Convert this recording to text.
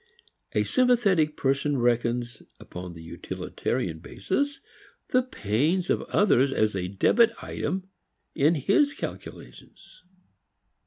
A sympathetic person reckons upon the utilitarian basis the pains of others as a debit item in his calculations.